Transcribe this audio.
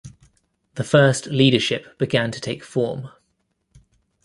The first leadership began to take form.